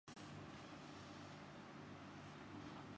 ملک میں مہنگائی میں کمی کا رجحان برقرار ادارہ شماریات